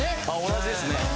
同じですね。